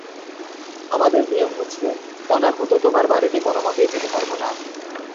আমাদের নিয়ম হচ্ছে, অনাহূত তোমার বাড়িতে কোনোমতেই যেতে পারব না।